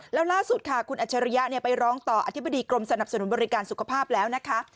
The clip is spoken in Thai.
แล้วล่าสุดค่ะคุณอัจฉริยะไปร้องต่ออธิบดีกรมสนับสนุนบริการสุขภาพแล้วนะคะ